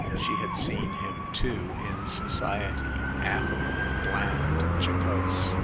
She had seen him, too, in society, affable, bland, jocose.